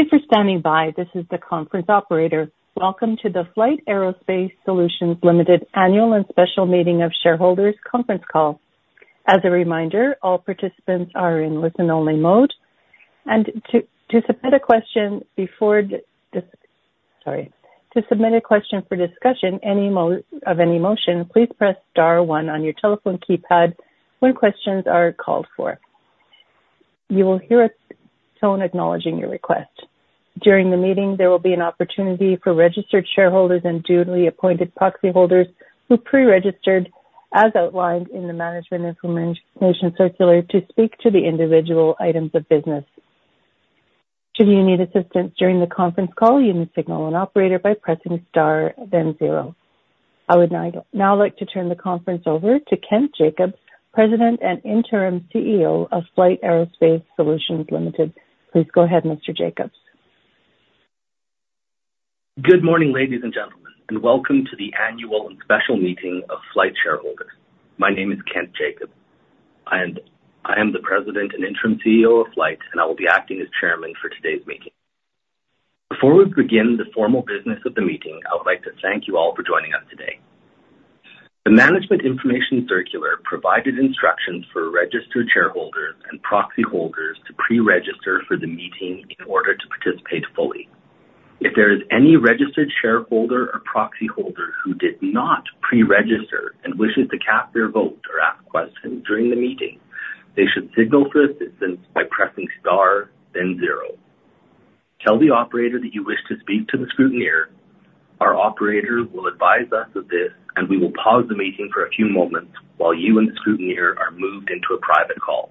Thank you for standing by. This is the Conference Operator. Welcome to the FLYHT Aerospace Solutions Limited Annual and Special Meeting of Shareholders' Conference Call. As a reminder, all participants are in listen-only mode. And to submit a question for discussion of any motion, please press star one on your telephone keypad when questions are called for. You will hear a tone acknowledging your request. During the meeting, there will be an opportunity for registered shareholders and duly appointed proxy holders who pre-registered, as outlined in the Management Information Circular, to speak to the individual items of business. Should you need assistance during the conference call, you may signal an operator by pressing star then zero. I would now like to turn the conference over to Kent Jacobs, President and Interim CEO of FLYHT Aerospace Solutions Limited. Please go ahead, Mr. Jacobs. Good morning, ladies and gentlemen, and welcome to the Annual and Special Meeting of FLYHT Shareholders. My name is Kent Jacobs, and I am the President and Interim CEO of FLYHT, and I will be acting as Chairman for today's meeting. Before we begin the formal business of the meeting, I would like to thank you all for joining us today. The Management Information Circular provided instructions for registered shareholders and proxy holders to pre-register for the meeting in order to participate fully. If there is any registered shareholder or proxy holder who did not pre-register and wishes to cast their vote or ask questions during the meeting, they should signal for assistance by pressing star then zero. Tell the operator that you wish to speak to the scrutineer. Our operator will advise us of this, and we will pause the meeting for a few moments while you and the scrutineer are moved into a private call.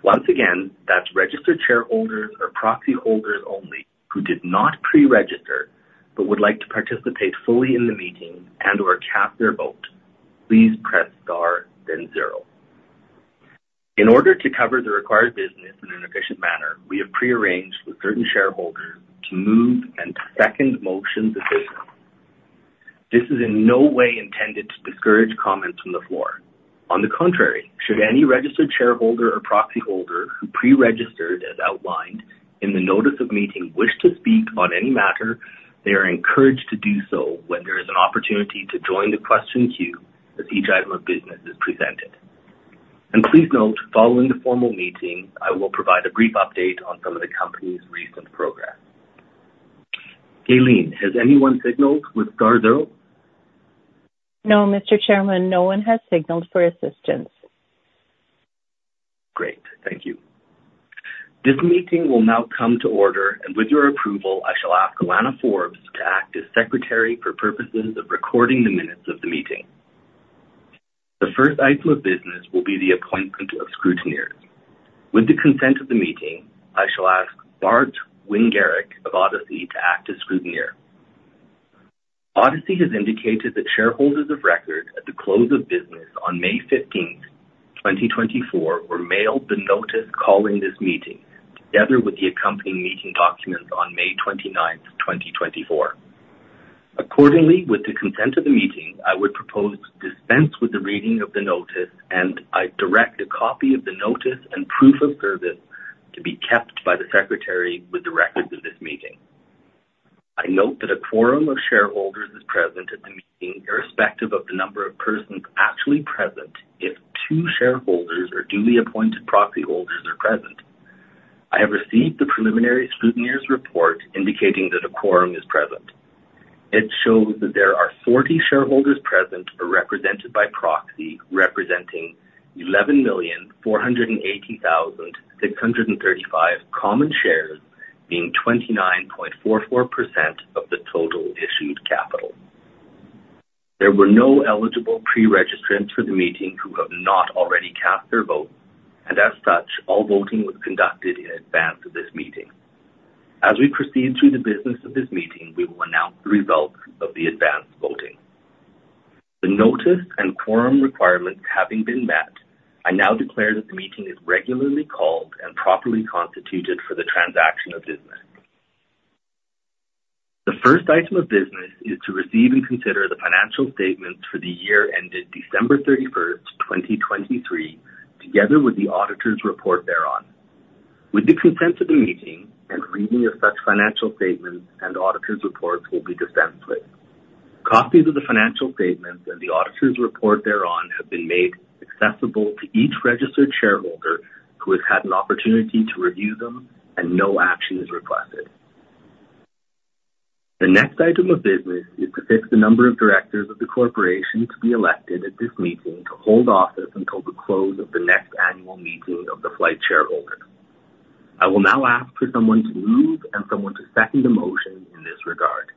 Once again, that's registered shareholders or proxy holders only who did not pre-register but would like to participate fully in the meeting and/or cast their vote. Please press star then zero. In order to cover the required business in an efficient manner, we have pre-arranged with certain shareholders to move and second motions of business. This is in no way intended to discourage comments from the floor. On the contrary, should any registered shareholder or proxy holder who pre-registered, as outlined in the notice of meeting, wish to speak on any matter, they are encouraged to do so when there is an opportunity to join the question queue as each item of business is presented. Please note, following the formal meeting, I will provide a brief update on some of the company's recent progress. Galen, has anyone signaled with star zero? No, Mr. Chairman. No one has signaled for assistance. Great. Thank you. This meeting will now come to order, and with your approval, I shall ask Alana Forbes to act as Secretary for purposes of recording the minutes of the meeting. The first item of business will be the appointment of scrutineers. With the consent of the meeting, I shall ask Bart Wingeruk of Odyssey to act as scrutineer. Odyssey has indicated that shareholders of record at the close of business on 15/05/2024, were mailed the notice calling this meeting together with the accompanying meeting documents on 29/05/2024. Accordingly, with the consent of the meeting, I would propose dispense with the reading of the notice, and I direct a copy of the notice and proof of service to be kept by the Secretary with the records of this meeting. I note that a quorum of shareholders is present at the meeting irrespective of the number of persons actually present if two shareholders or duly appointed proxy holders are present. I have received the preliminary scrutineer's report indicating that a quorum is present. It shows that there are 40 shareholders present or represented by proxy, representing 11,480,635 common shares, being 29.44% of the total issued capital. There were no eligible pre-registrants for the meeting who have not already cast their vote, and as such, all voting was conducted in advance of this meeting. As we proceed through the business of this meeting, we will announce the results of the advance voting. The notice and quorum requirements having been met, I now declare that the meeting is regularly called and properly constituted for the transaction of business. The first item of business is to receive and consider the financial statements for the year ended 31/12/2023, together with the auditor's report thereon. With the consent of the meeting and reading of such financial statements and auditor's reports, we'll be dispensed with. Copies of the financial statements and the auditor's report thereon have been made accessible to each registered shareholder who has had an opportunity to review them and no action is requested. The next item of business is to fix the number of directors of the corporation to be elected at this meeting to hold office until the close of the next annual meeting of the FLYHT shareholders. I will now ask for someone to move and someone to second the motion in this regard.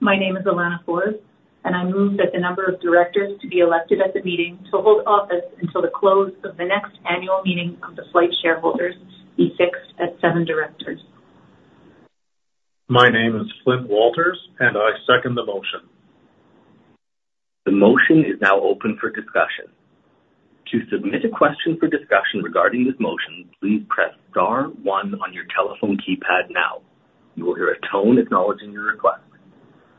My name is Alana Forbes, and I move that the number of directors to be elected at the meeting to hold office until the close of the next annual meeting of the FLYHT shareholders be fixed at seven directors. My name is Flint Walters, and I second the motion. The motion is now open for discussion. To submit a question for discussion regarding this motion, please press star one on your telephone keypad now. You will hear a tone acknowledging your request.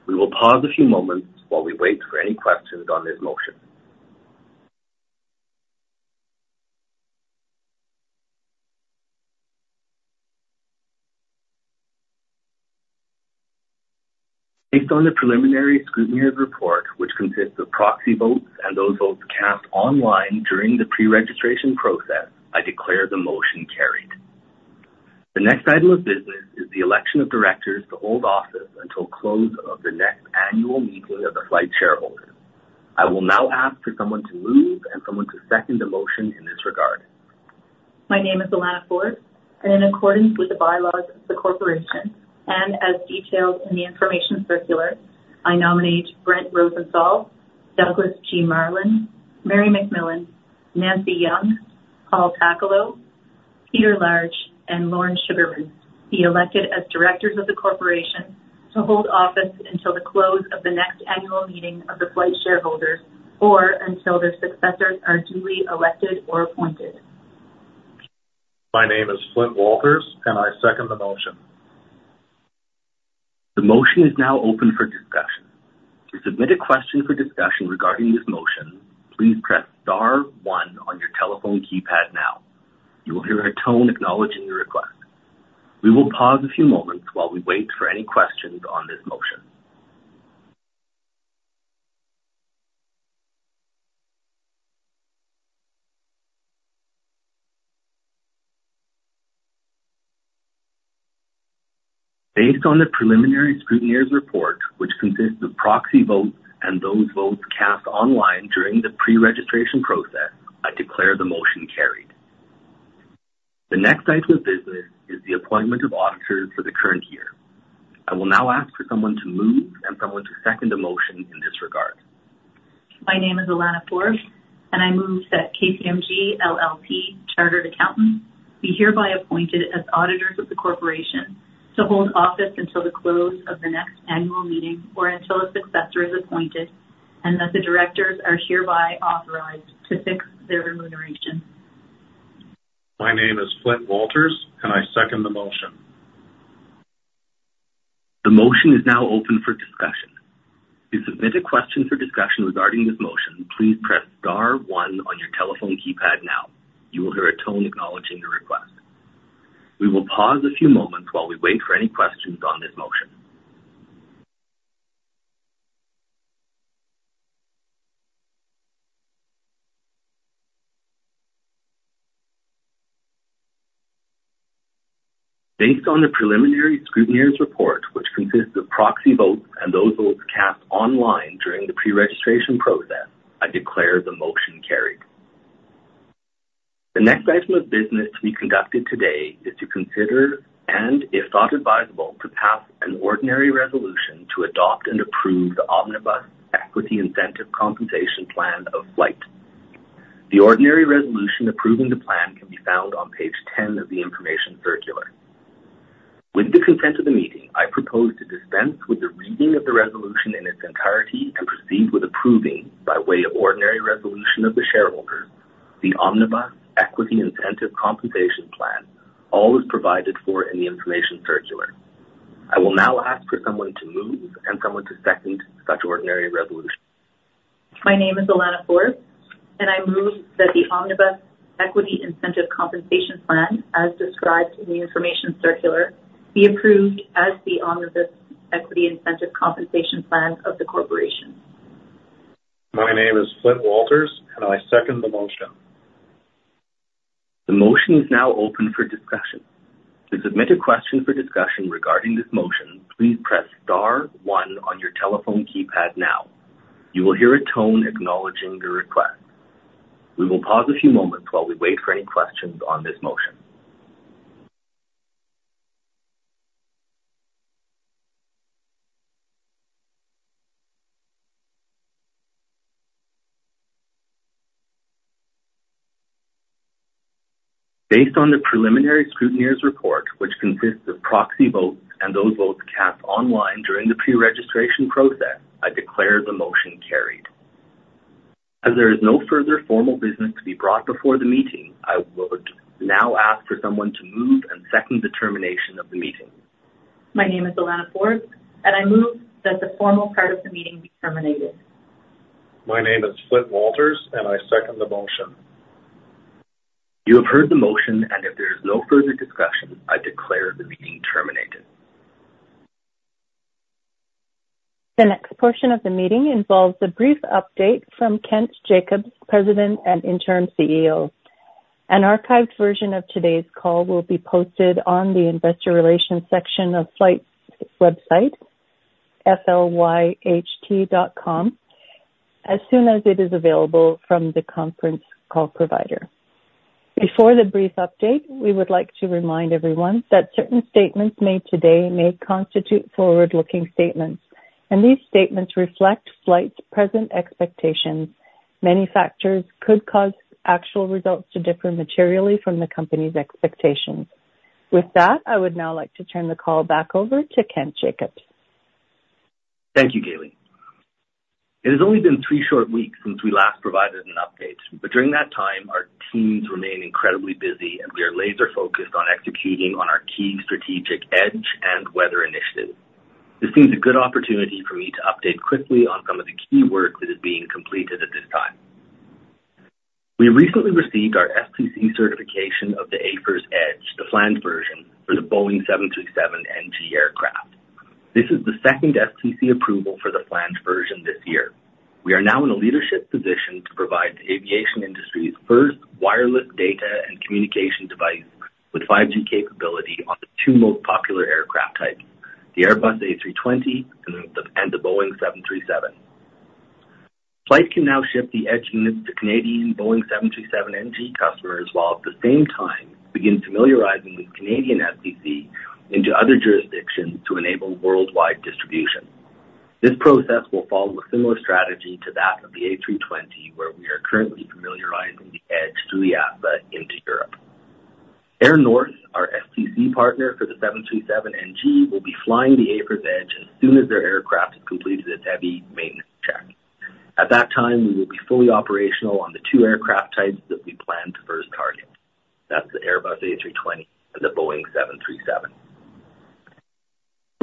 We will pause a few moments while we wait for any questions on this motion. Based on the preliminary scrutineer's report, which consists of proxy votes and those votes cast online during the pre-registration process, I declare the motion carried. The next item of business is the election of directors to hold office until close of the next annual meeting of the FLYHT shareholders. I will now ask for someone to move and someone to second the motion in this regard. My name is Alana Forbes, and in accordance with the bylaws of the corporation The motion is now open for discussion. To submit a question for discussion regarding this motion, please press star 1 on your telephone keypad now. You will hear a tone acknowledging your request. We will pause a few moments while we wait for any questions on this motion. Based on the preliminary scrutineer's report, which consists of proxy votes and those votes cast online during the pre-registration process, I declare the motion carried. The next item of business to be conducted today is to consider and, if thought advisable, to pass an ordinary resolution to adopt and approve the Omnibus Equity Incentive Compensation Plan of FLYHT. The ordinary resolution approving the plan can be found on page 10 of the information circular. With the consent of the meeting, I propose to dispense with the reading of the resolution in its entirety and proceed with approving by way of ordinary resolution of the shareholders the Omnibus Equity Incentive Compensation Plan, all as provided for in the information circular. I will now ask for someone to move and someone to second such ordinary resolution. My name is Alana Forbes, and I move that the Omnibus Equity Incentive Compensation Plan, as described in the information circular, be approved as the Omnibus Equity Incentive Compensation Plan of the corporation. My name is Flint Walters, and I second the motion. The motion is now open for discussion. To submit a question for discussion regarding this motion, please press star one on your telephone keypad now. You will hear a tone acknowledging your request. We will pause a few moments while we wait for any questions on this motion. Based on the preliminary scrutineer's report, which consists of proxy votes and those votes cast online during the pre-registration process, I declare the motion carried. As there is no further formal business to be brought before the meeting, I would now ask for someone to move and second the termination of the meeting. My name is Alana Forbes, and I move that the formal part of the meeting be terminated. My name is Flint Walters, and I second the motion. You have heard the motion, and if there is no further discussion, I declare the meeting terminated. The next portion of the meeting involves a brief update from Kent Jacobs, President and Interim CEO. An archived version of today's call will be posted on the investor relations section of FLYHT's website, FLYHT.com, as soon as it is available from the conference call provider. Before the brief update, we would like to remind everyone that certain statements made today may constitute forward-looking statements, and these statements reflect FLYHT's present expectations. Many factors could cause actual results to differ materially from the company's expectations. With that, I would now like to turn the call back over to Kent Jacobs. Thank you, Galen. It has only been three short weeks since we last provided an update, but during that time, our teams remain incredibly busy, and we are laser-focused on executing on our key strategic edge and weather initiatives. This seems a good opportunity for me to update quickly on some of the key work that is being completed at this time. We recently received our STC certification of the AFIRS Edge, the flanged version, for the Boeing 737 NG aircraft. This is the second STC approval for the flanged version this year. We are now in a leadership position to provide the aviation industry's first wireless data and communication device with 5G capability on the two most popular aircraft types, the Airbus A320 and the Boeing 737. FLYHT can now ship the Edge units to Canadian Boeing 737 NG customers while, at the same time, begin familiarizing the Canadian STC into other jurisdictions to enable worldwide distribution. This process will follow a similar strategy to that of the A320, where we are currently familiarizing the Edge through the EASA into Europe. Air North, our STC partner for the 737 NG, will be flying the AFIRS Edge as soon as their aircraft has completed its heavy maintenance check. At that time, we will be fully operational on the two aircraft types that we plan to first target. That's the Airbus A320 and the Boeing 737.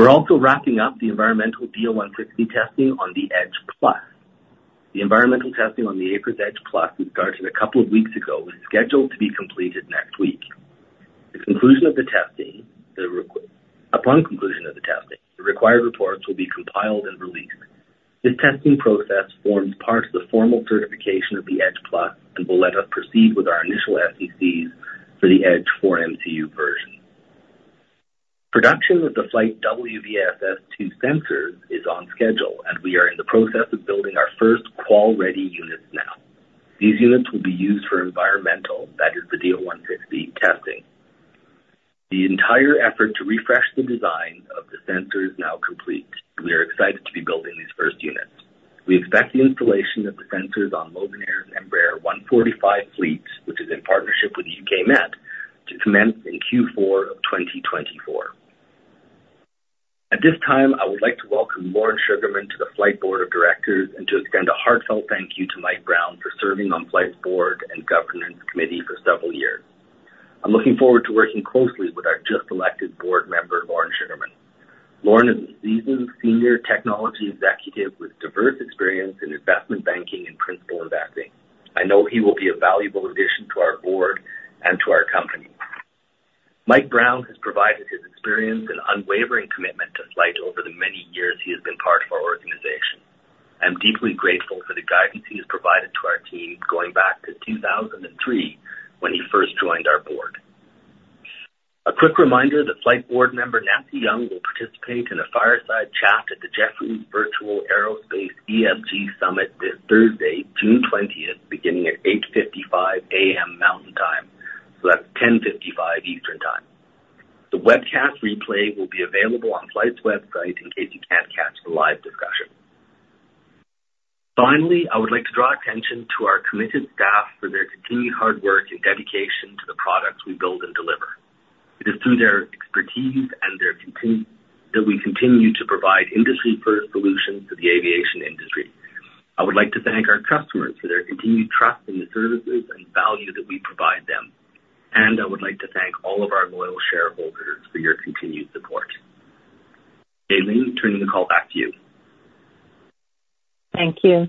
We're also wrapping up the environmental DO-160 testing on the Edge Plus. The environmental testing on the AFIRS Edge Plus was started a couple of weeks ago and is scheduled to be completed next week. Upon completion of the testing, the required reports will be compiled and released. This testing process forms part of the formal certification of the Edge Plus and will let us proceed with our initial STCs for the Edge 4MCU version. Production of the FLYHT WVSS2 sensors is on schedule, and we are in the process of building our first qual-ready units now. These units will be used for environmental, that is, the DO-160 testing. The entire effort to refresh the design of the sensor is now complete, and we are excited to be building these first units. We expect the installation of the sensors on Loganair's Embraer 145 fleet, which is in partnership with UK Met, to commence in Q4 of 2024. At this time, I would like to welcome Lorne Sugarman to the FLYHT Board of Directors and to extend a heartfelt thank you to Mike Brown for serving on FLYHT's board and governance committee for several years. I'm looking forward to working closely with our just-elected board member, Lorne Sugarman. Lorne is a seasoned senior technology executive with diverse experience in investment banking and principal investing. I know he will be a valuable addition to our board and to our company. Mike Brown has provided his experience and unwavering commitment to FLYHT over the many years he has been part of our organization. I'm deeply grateful for the guidance he has provided to our team going back to 2003 when he first joined our board. A quick reminder that FLYHT board member Nancy Young will participate in a fireside chat at the Jefferies Virtual Aerospace ESG Summit this Thursday, June 20th, beginning at 8:55 A.M. Mountain Time. So that's 10:55 A.M. Eastern Time. The webcast replay will be available on FLYHT's website in case you can't catch the live discussion. Finally, I would like to draw attention to our committed staff for their continued hard work and dedication to the products we build and deliver. It is through their expertise and their continued efforts that we continue to provide industry-first solutions to the aviation industry. I would like to thank our customers for their continued trust in the services and value that we provide them. I would like to thank all of our loyal shareholders for your continued support. Galen, turning the call back to you. Thank you.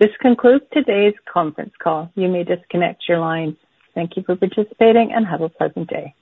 This concludes today's conference call. You may disconnect your lines. Thank you for participating and have a pleasant day.